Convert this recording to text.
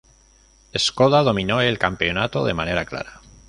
Škoda dominó el campeonato de manera clara.